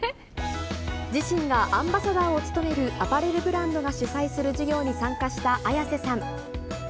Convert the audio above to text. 自身がアンバサダーを務めるアパレルブランドが主催する授業に参加した綾瀬さん。